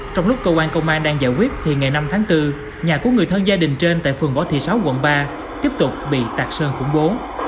trong lúc cơ quan công an đang giải quyết thì ngày năm tháng bốn nhà của người thân gia đình trên tại phường võ thị sáu quận ba tiếp tục bị tạc sơn khủng bố